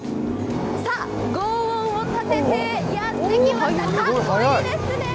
ごう音をたててやってきました、かっこいいですね！